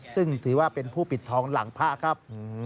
ซึ่งถือว่าเป็นผู้ปิดทองหลังพระครับ